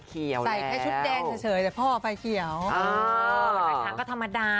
ก็น้องก็ได้รักดี